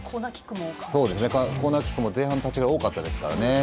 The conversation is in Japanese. コーナーキックも前半のタッチが多かったですから。